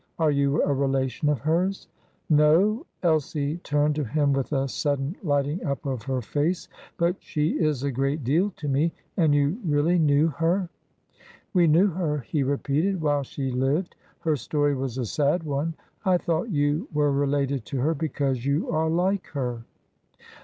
"Are you a relation of hers?" "No." Elsie turned to him with a sudden lighting up of her face. "But she is a great deal to me! And you really knew her?" "We knew her," he repeated, "while she lived. Her story was a sad one. I thought you were related to her because you are like her."